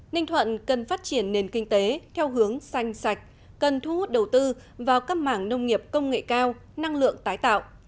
ninh thuận cần phát triển nền kinh tế theo hướng xanh sạch cần thu hút đầu tư vào các mảng nông nghiệp công nghệ cao năng lượng tái tạo